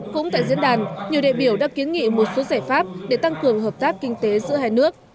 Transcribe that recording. cũng tại diễn đàn nhiều đại biểu đã kiến nghị một số giải pháp để tăng cường hợp tác kinh tế giữa hai nước